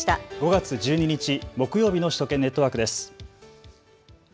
５月１２日木曜日の首都圏ネットワークです。